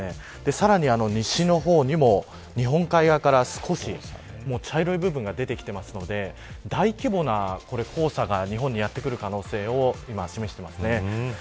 さらに西の方にも日本海側から少し茶色い部分が出てきていますので大規模な黄砂が日本にやってくる可能性を示しています。